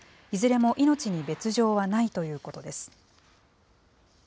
いずれも命に別状はないということです。